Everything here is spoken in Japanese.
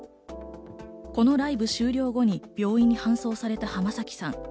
このライブ終了後に病院に搬送された浜崎さん。